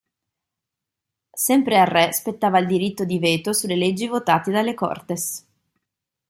Sempre al re spettava il diritto di veto sulle leggi votate dalle "cortes".